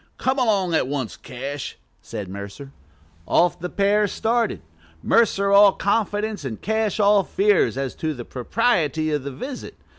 Come along at once, Cash," said Mercer. Off the pair started, Mercer all confidence, and Cash all fears as to the propriety of the visit.